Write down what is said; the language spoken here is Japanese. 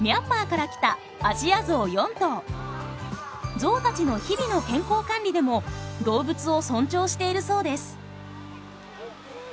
ゾウたちの日々の健康管理でも動物を尊重しているそうです。